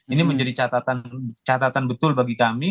ini menjadi catatan betul bagi kami